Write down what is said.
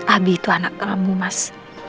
abi itu anak kamu mas